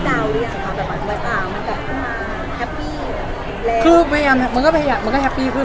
เดี๋ยวว่าเลือกเตาหรือยังมันแบบเมื่อพบไอต่างมันก็แฮปพี่แบบแรง